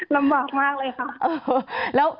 ลำบากมากเลยค่ะ